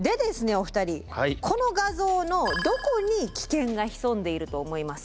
お二人この画像のどこに危険が潜んでいると思いますか？